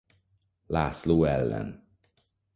László ellen.